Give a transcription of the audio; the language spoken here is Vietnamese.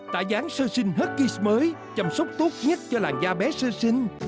tại giáng sơ sinh huggies mới chăm sóc tốt nhất cho làng da bé sơ sinh